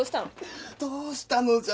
どうしたの？